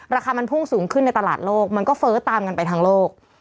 ราคามันพุ่งสูงขึ้นในตลาดโลกมันก็เฟ้อตามกันไปทางโลก